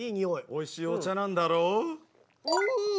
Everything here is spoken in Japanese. おいしいお茶なんだろう？